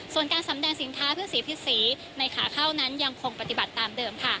ส่วนการสำแดงสินค้าเพื่อสีพิษสีในขาเข้านั้นยังคงปฏิบัติตามเดิมค่ะ